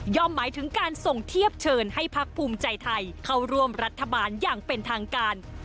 หมายถึงการส่งเทียบเชิญให้พักภูมิใจไทยเข้าร่วมรัฐบาลอย่างเป็นทางการ